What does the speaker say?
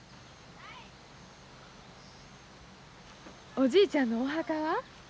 おじいちゃんのお墓は？